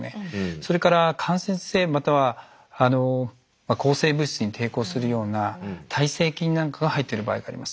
それから感染性または抗生物質に抵抗するような耐性菌なんかが入ってる場合があります。